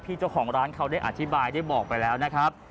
เจ้าของร้านเขาได้อธิบายได้บอกไปแล้วนะครับ